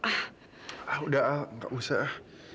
ah udah al gak usah